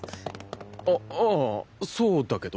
あああそうだけど。